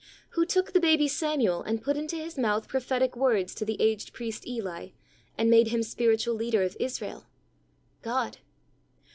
Who took the baby Samuel and put into his mouth prophetic words to the aged priest Eli, and made him spiritual leader of Israel? God.